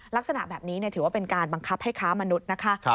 ลักษณะแบบนี้ถือว่าเป็นการบังคับให้ค้ามนุษย์นะคะ